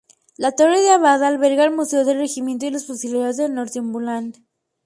La Torre del Abad alberga el Museo del Regimiento de los Fusileros de Northumberland..